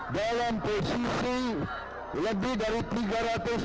dalam posisi lebih dari tiga ratus dua puluh tps